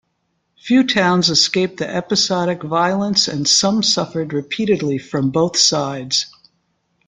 Few towns escaped the episodic violence and some suffered repeatedly from both sides.